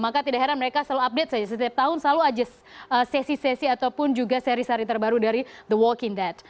maka tidak heran mereka selalu update saja setiap tahun selalu aja sesi sesi ataupun juga seri seri terbaru dari the walking that